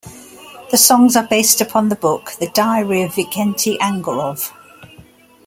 The songs are based upon the book "The Diary of Vikenty Angorov".